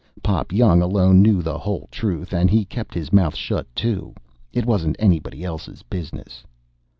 Pop Young alone knew the whole truth, and he kept his mouth shut, too. It wasn't anybody else's business.